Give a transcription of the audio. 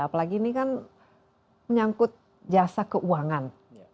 apalagi ini kan menyangkut jasa keuangan